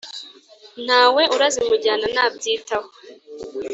nta we urazimujyana nabyitaho.